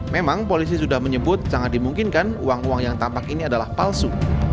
memang polisi sudah menyebut sangat dimungkinkan uang uang yang tampak ini adalah palsu